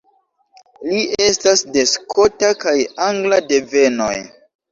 Li estas de skota kaj angla devenoj.